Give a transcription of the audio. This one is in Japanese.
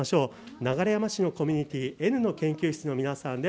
流山市のコミュニティー、Ｎの研究室の皆さんです。